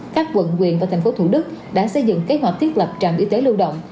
các quận quyện và thành phố thủ đức đã xây dựng kế hoạch thiết lập trạm y tế lưu động